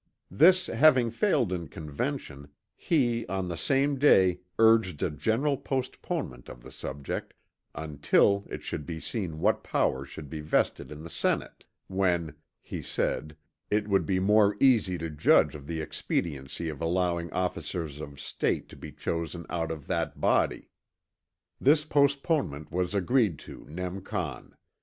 This having failed in Convention, he on the same day urged a general postponement of the subject "until it should be seen what powers should be vested in the Senate" "when," he said, "it would be more easy to judge of the expediency of allowing officers of State to be chosen out of that body." This postponement was agreed to nem. con.